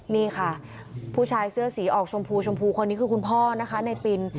นี่ค่ะผู้ชายเสื้อสีออกชมพูชมพูคนนี้คือคุณพ่อนะคะในปิน